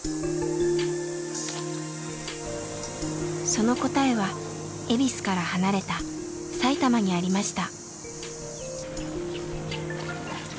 その答えは恵比寿から離れたさいたまにありました。